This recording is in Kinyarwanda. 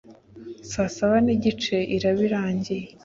saa saba n igice iraba irangiye